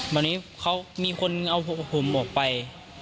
วันนี้เขามีคนเอาผมออกไป